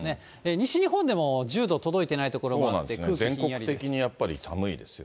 西日本でも１０度届いていない所もあって、空気ひんやりです。